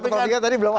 kalau tidak bagaimana